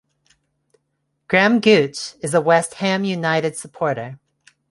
Graham Gooch is a West Ham United supporter.